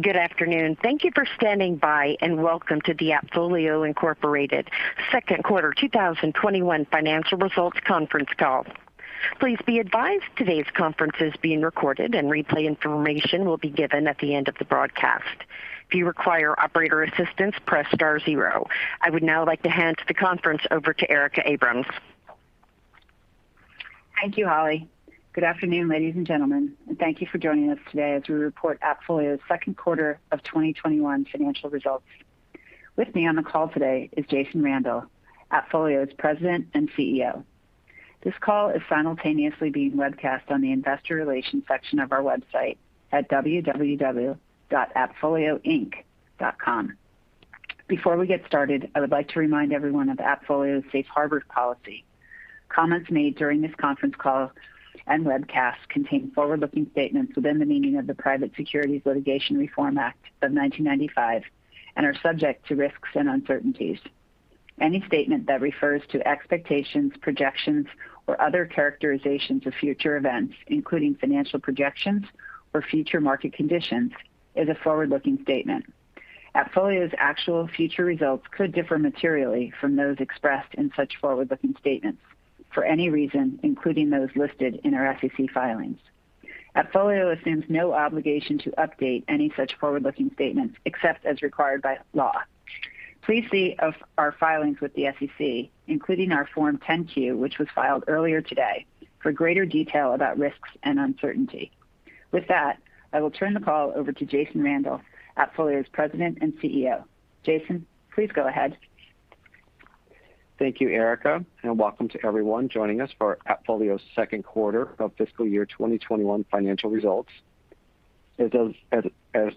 Good afternoon. Thank you for standing by, and welcome to the AppFolio, Inc. Second Quarter 2021 Financial Results Conference Call. Please be advised today's conference is being recorded, and replay information will be given at the end of the broadcast. If you require operator assistance, press star zero. I would now like to hand the conference over to Erica Abrams. Thank you, Holly. Good afternoon, ladies and gentlemen, and thank you for joining us today as we report AppFolio's Second Quarter of 2021 Financial Results. With me on the call today is Jason Randall, AppFolio's President and CEO. This call is simultaneously being webcast on the investor relations section of our website at www.appfolioinc.com. Before we get started, I would like to remind everyone of AppFolio's safe harbor policy. Comments made during this conference call and webcast contain forward-looking statements within the meaning of the Private Securities Litigation Reform Act of 1995 and are subject to risks and uncertainties. Any statement that refers to expectations, projections, or other characterizations of future events, including financial projections or future market conditions, is a forward-looking statement. AppFolio's actual future results could differ materially from those expressed in such forward-looking statements for any reason, including those listed in our SEC filings. AppFolio assumes no obligation to update any such forward-looking statements except as required by law. Please see our filings with the SEC, including our Form 10-Q, which was filed earlier today, for greater detail about risks and uncertainty. With that, I will turn the call over to Jason Randall, AppFolio's President and CEO. Jason, please go ahead. Thank you, Erica, and welcome to everyone joining us for AppFolio's second quarter of fiscal year 2021 financial results. As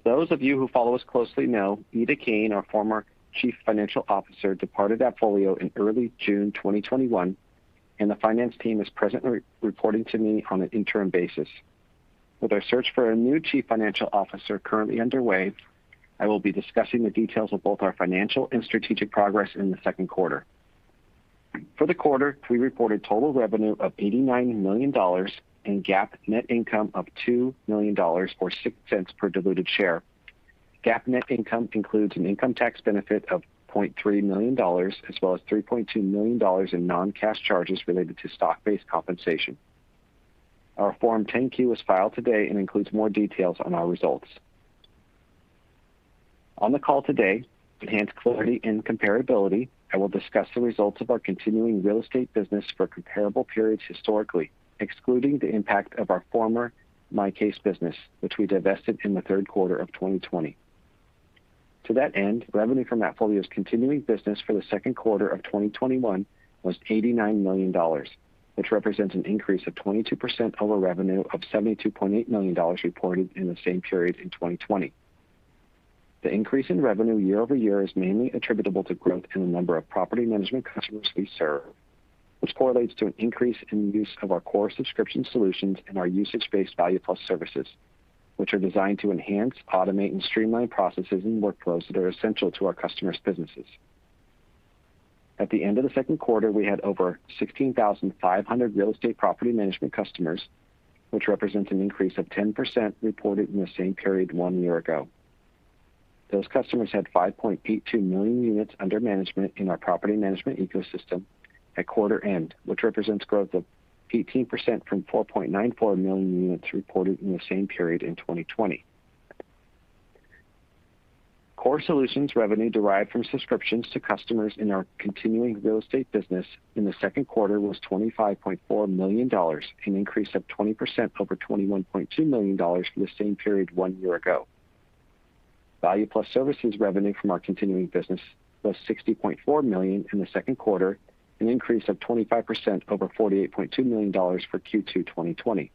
those of you who follow us closely know, Ida Kane, our former Chief Financial Officer, departed AppFolio in early June 2021, and the finance team is presently reporting to me on an interim basis. With our search for a new chief financial officer currently underway, I will be discussing the details of both our financial and strategic progress in the second quarter. For the quarter, we reported total revenue of $89 million and GAAP net income of $2 million, or $0.06 per diluted share. GAAP net income includes an income tax benefit of $0.3 million, as well as $3.2 million in non-cash charges related to stock-based compensation. Our Form 10-Q was filed today and includes more details on our results. On the call today, to enhance clarity and comparability, I will discuss the results of our continuing real estate business for comparable periods historically, excluding the impact of our former MyCase business, which we divested in the 3rd quarter of 2020. To that end, revenue from AppFolio's continuing business for the 2nd quarter of 2021 was $89 million, which represents an increase of 22% over revenue of $72.8 million reported in the same period in 2020. The increase in revenue year-over-year is mainly attributable to growth in the number of property management customers we serve, which correlates to an increase in use of our core subscription solutions and our usage-based Value+ services, which are designed to enhance, automate, and streamline processes and workflows that are essential to our customers' businesses. At the end of the second quarter, we had over 16,500 real estate property management customers, which represents an increase of 10% reported in the same period one year ago. Those customers had 5.82 million units under management in our property management ecosystem at quarter end, which represents growth of 18% from 4.94 million units reported in the same period in 2020. Core solutions revenue derived from subscriptions to customers in our continuing real estate business in the second quarter was $25.4 million, an increase of 20% over $21.2 million for the same period one year ago. Value+ services revenue from our continuing business was $60.4 million in the second quarter, an increase of 25% over $48.2 million for Q2 2020.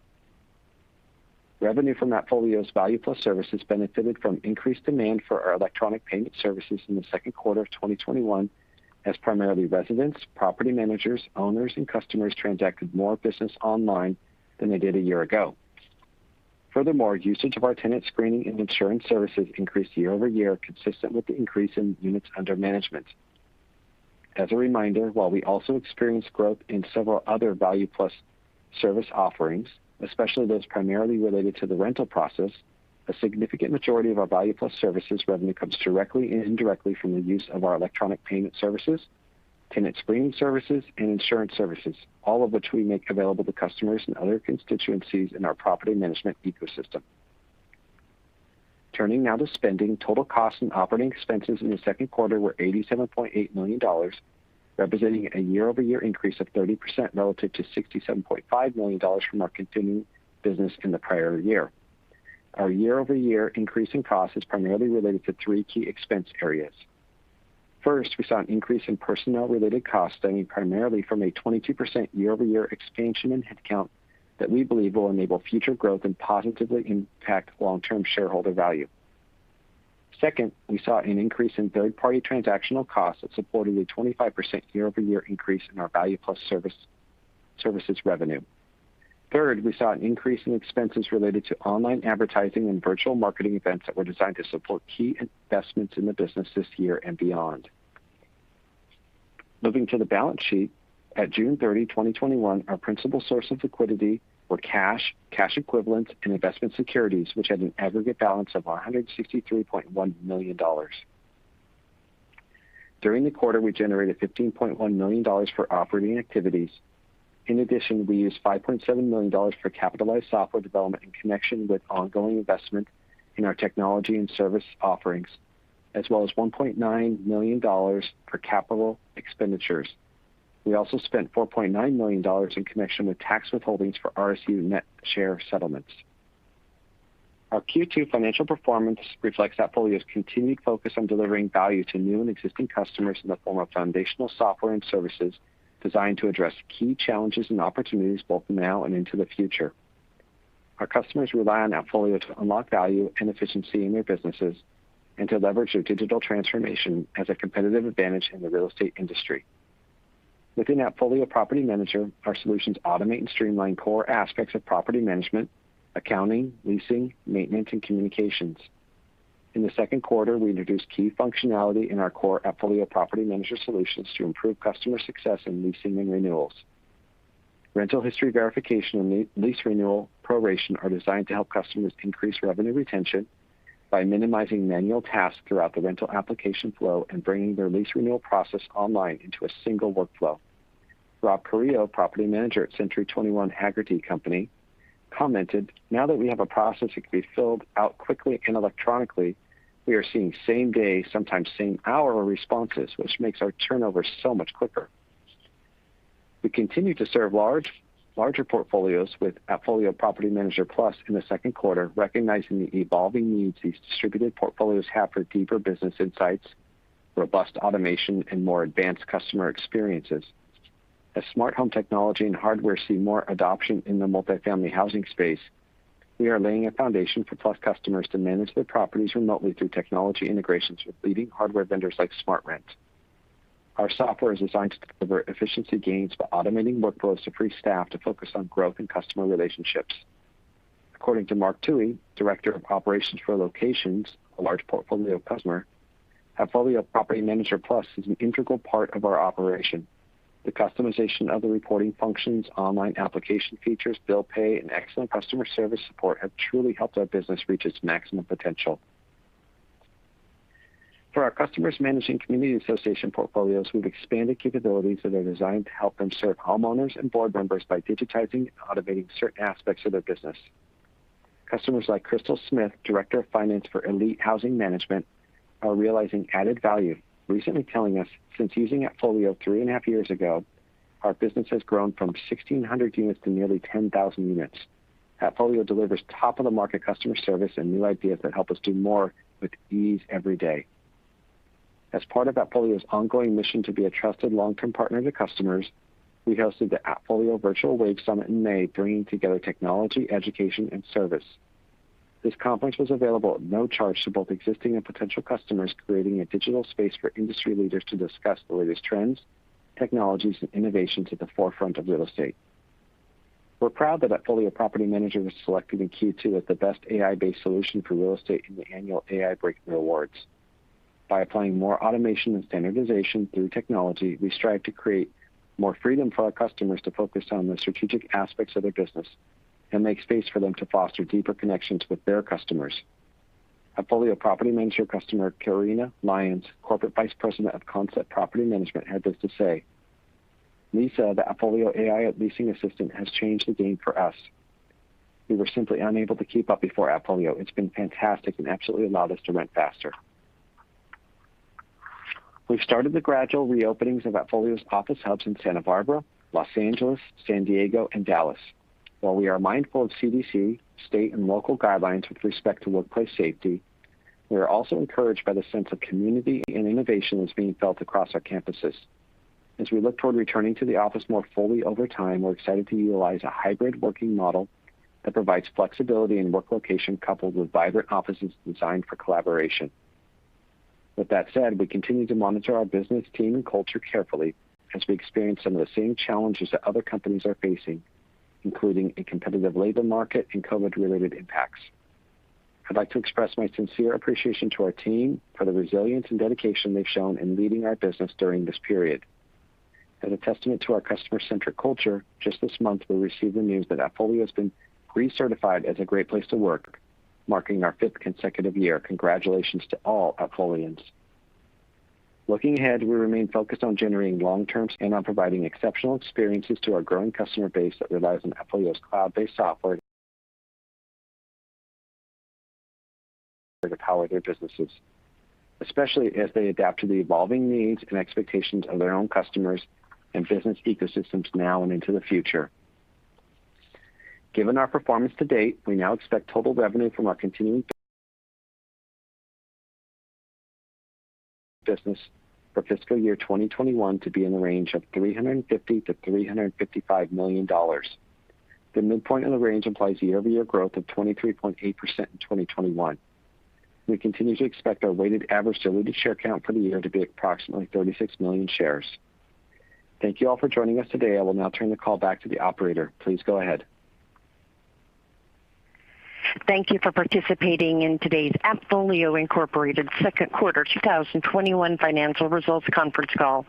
Revenue from AppFolio's Value+ services benefited from increased demand for our electronic payment services in the second quarter of 2021 as primarily residents, property managers, owners, and customers transacted more business online than they did a year ago. Furthermore, usage of our tenant screening and insurance services increased year-over-year, consistent with the increase in units under management. As a reminder, while we also experienced growth in several other Value+ service offerings, especially those primarily related to the rental process, a significant majority of our Value+ services revenue comes directly and indirectly from the use of our electronic payment services, tenant screening services, and insurance services, all of which we make available to customers and other constituencies in our property management ecosystem. Turning now to spending, total costs and operating expenses in the second quarter were $87.8 million, representing a year-over-year increase of 30% relative to $67.5 million from our continuing business in the prior year. Our year-over-year increase in cost is primarily related to three key expense areas. First, we saw an increase in personnel-related costs stemming primarily from a 22% year-over-year expansion in headcount that we believe will enable future growth and positively impact long-term shareholder value. Second, we saw an increase in third-party transactional costs that supported a 25% year-over-year increase in our Value+ services revenue. Third, we saw an increase in expenses related to online advertising and virtual marketing events that were designed to support key investments in the business this year and beyond. Moving to the balance sheet at June 30, 2021, our principal source of liquidity were cash equivalents, and investment securities, which had an aggregate balance of $163.1 million. During the quarter, we generated $15.1 million for operating activities. In addition, we used $5.7 million for capitalized software development in connection with ongoing investment in our technology and service offerings, as well as $1.9 million for capital expenditures. We also spent $4.9 million in connection with tax withholdings for RSU net share settlements. Our Q2 financial performance reflects AppFolio's continued focus on delivering value to new and existing customers in the form of foundational software and services designed to address key challenges and opportunities, both now and into the future. Our customers rely on AppFolio to unlock value and efficiency in their businesses, and to leverage their digital transformation as a competitive advantage in the real estate industry. Within AppFolio Property Manager, our solutions automate and streamline core aspects of property management, accounting, leasing, maintenance, and communications. In the second quarter, we introduced key functionality in our core AppFolio Property Manager solutions to improve customer success in leasing and renewals. Rental history verification and lease renewal proration are designed to help customers increase revenue retention by minimizing manual tasks throughout the rental application flow and bringing their lease renewal process online into a single workflow. Rob Carrillo, property manager at CENTURY 21 Haggerty Company commented, "Now that we have a process that can be filled out quickly and electronically, we are seeing same-day, sometimes same-hour responses, which makes our turnover so much quicker." We continue to serve larger portfolios with AppFolio Property Manager Plus in the second quarter, recognizing the evolving needs these distributed portfolios have for deeper business insights, robust automation, and more advanced customer experiences. As smart home technology and hardware see more adoption in the multi-family housing space, we are laying a foundation for Plus customers to manage their properties remotely through technology integrations with leading hardware vendors like SmartRent. Our software is designed to deliver efficiency gains by automating workflows to free staff to focus on growth and customer relationships. According to Mark Toohey, director of operations for Locations, a large portfolio customer, "AppFolio Property Manager Plus is an integral part of our operation. The customization of the reporting functions, online application features, bill pay, and excellent customer service support have truly helped our business reach its maximum potential." For our customers managing community association portfolios, we've expanded capabilities that are designed to help them serve homeowners and board members by digitizing and automating certain aspects of their business. Customers like Crystal Smith, director of finance for Elite Housing Management, are realizing added value, recently telling us, "Since using AppFolio 3 and a half years ago, our business has grown from 1,600 units to nearly 10,000 units. AppFolio delivers top-of-the-market customer service and new ideas that help us do more with ease every day." As part of AppFolio's ongoing mission to be a trusted long-term partner to customers, we hosted the AppFolio Virtual Wave Summit in May, bringing together technology, education, and service. This conference was available at no charge to both existing and potential customers, creating a digital space for industry leaders to discuss the latest trends, technologies, and innovations at the forefront of real estate. We're proud that AppFolio Property Manager was selected in Q2 as the best AI-based solution for real estate in the annual AI Breakthrough Awards. By applying more automation and standardization through technology, we strive to create more freedom for our customers to focus on the strategic aspects of their business and make space for them to foster deeper connections with their customers. AppFolio Property Manager customer, Karina Lyons, Corporate Vice President of Concept Property Management, had this to say. "Lisa, the AppFolio AI Leasing Assistant has changed the game for us. We were simply unable to keep up before AppFolio. It's been fantastic and absolutely allowed us to rent faster." We've started the gradual reopenings of AppFolio's office hubs in Santa Barbara, Los Angeles, San Diego, and Dallas. While we are mindful of CDC, state, and local guidelines with respect to workplace safety, we are also encouraged by the sense of community and innovation that's being felt across our campuses. As we look toward returning to the office more fully over time, we're excited to utilize a hybrid working model that provides flexibility in work location, coupled with vibrant offices designed for collaboration. With that said, we continue to monitor our business, team, and culture carefully as we experience some of the same challenges that other companies are facing, including a competitive labor market and COVID-related impacts. I'd like to express my sincere appreciation to our team for the resilience and dedication they've shown in leading our business during this period. As a testament to our customer-centric culture, just this month, we received the news that AppFolio has been recertified as a Great Place to Work, marking our fifth consecutive year. Congratulations to all AppFolians. Looking ahead, we remain focused on generating long term and on providing exceptional experiences to our growing customer base that relies on AppFolio's cloud-based software to power their businesses, especially as they adapt to the evolving needs and expectations of their own customers and business ecosystems now and into the future. Given our performance to date, we now expect total revenue from our continuing business for fiscal year 2021 to be in the range of $350 million to $355 million. The midpoint of the range implies year-over-year growth of 23.8% in 2021. We continue to expect our weighted average diluted share count for the year to be approximately 36 million shares. Thank you all for joining us today. I will now turn the call back to the operator. Please go ahead. Thank you for participating in today's AppFolio, Inc. second quarter 2021 financial results conference call.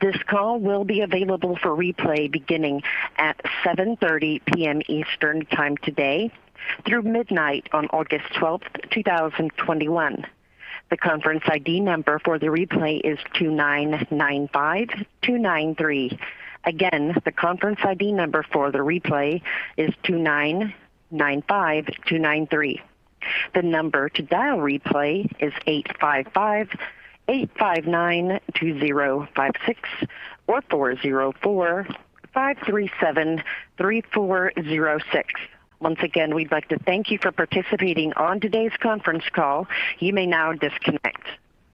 This call will be available for replay beginning at 7:30 PM Eastern Time today through midnight on 12th August 2021. The conference ID number for the replay is 2995293. Again, the conference ID number for the replay is 2995293. The number to dial replay is 855-859-2056 or 404-537-3406. Once again, we'd like to thank you for participating on today's conference call. You may now disconnect.